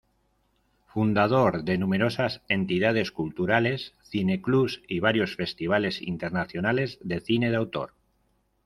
Fundador de numerosas entidades culturales, cine-clubs y varios festivales internacionales de cine de autor.